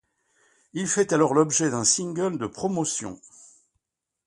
Il fait alors l'objet d'un single de promotion.